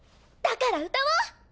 だから歌おう！